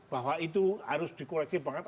bahwa itu harus di koleksi banget